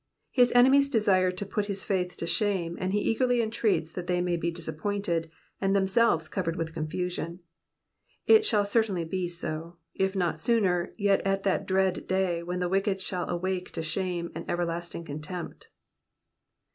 His enemies desired to put his faith to shame, and he eagerly entreats that they may be disappointed, and themselves covered with confusion. It •hall certainly be so ; if not sooner, yet at that dread day when the wicked shall awake to shame and everlasting contempt.